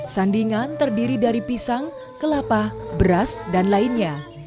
sandingan terdiri dari pisang kelapa beras dan lainnya